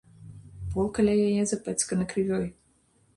Пол каля яе запэцканы крывёй.